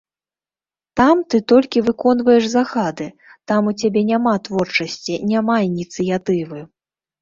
Там ты толькі выконваеш загады, там у цябе няма творчасці, няма ініцыятывы.